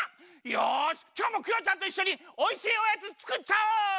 よしきょうもクヨちゃんといっしょにおいしいおやつつくっちゃおう！